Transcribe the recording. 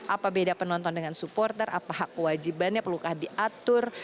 apa beda penonton dengan supporter apa hak kewajibannya perlukah diatur